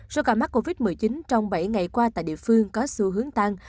số ca mắc covid một mươi chín trong bảy ngày qua tại địa phương có xu hướng tăng